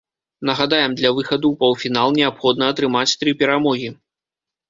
Нагадаем, для выхаду ў паўфінал неабходна атрымаць тры перамогі.